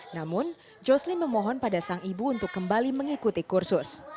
namun josline memohon pada sang ibu untuk kembali mengikuti kursus